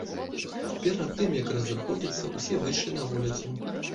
Перад тым як разыходзіцца, усе выйшлі на вуліцу.